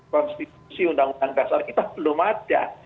konstitusi undang undang dasar kita belum ada